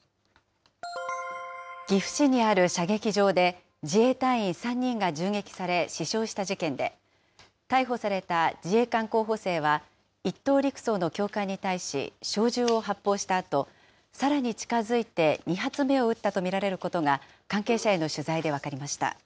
岐阜市にある射撃場で、自衛隊員３人が銃撃され死傷した事件で、逮捕された自衛官候補生は１等陸曹の教官に対し、小銃を発砲したあと、さらに近づいて２発目を撃ったと見られることが、関係者への取材で分かりました。